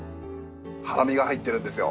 ハラミが入ってるんですよ。